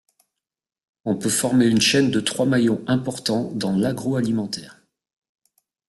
On peut former une chaîne de trois maillons importants dans l'agroalimentaire.